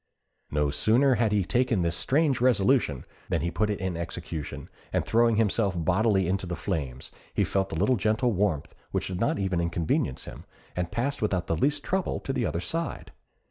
No sooner had he taken this strange resolution than he put it in execution, and throwing himself bodily into the flames, he felt a little gentle warmth which did not even inconvenience him, and passed without the least trouble to the other side.